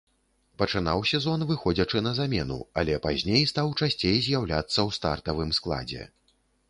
Пачынаў сезон, выходзячы на замену, але пазней стаў часцей з'яўляцца ў стартавым складзе.